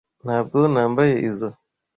Ntabwo nambaye izoi.